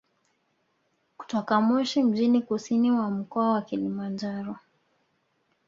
Kutoka Moshi mjini kusini mwa mkoa wa Kilimanjaro